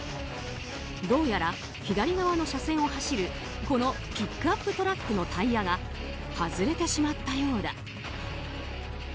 どうやら左側の車線を走るこのピックアップトラックのタイヤが外れてしまったようだ。